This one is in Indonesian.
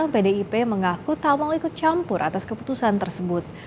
pdip mengaku tak mau ikut campur atas keputusan tersebut